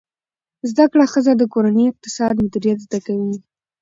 زده کړه ښځه د کورني اقتصاد مدیریت زده کوي.